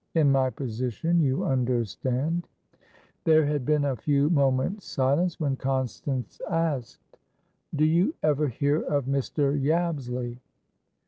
In my position, you understand" There had been a few moments' silence, when Constance asked: "Do you ever hear of Mr. Yabsley?"